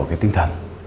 ở cái tinh thần